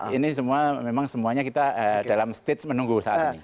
ini semua memang semuanya kita dalam stage menunggu saat ini